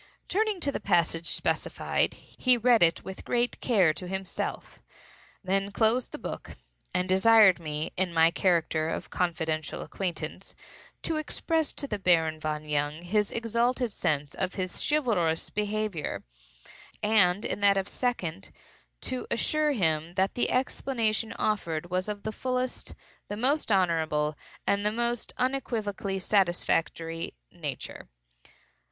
Turning to the passage specified, he read it with great care to himself, then closed the book, and desired me, in my character of confidential acquaintance, to express to the Baron von Jung his exalted sense of his chivalrous behavior, and, in that of second, to assure him that the explanation offered was of the fullest, the most honorable, and the most unequivocally satisfactory nature.